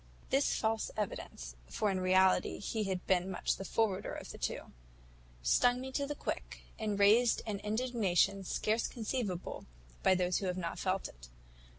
"This false evidence (for in reality he had been much the forwarder of the two) stung me to the quick, and raised an indignation scarce conceivable by those who have not felt it.